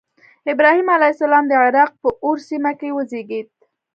ابراهیم علیه السلام د عراق په أور سیمه کې وزیږېد.